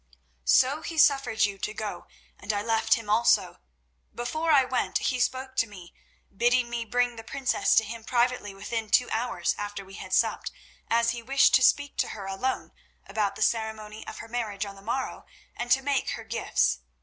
"So he suffered you to go, and I left him also. Before I went he spoke to me, bidding me bring the princess to him privately within two hours after we had supped, as he wished to speak to her alone about the ceremony of her marriage on the morrow, and to make her gifts.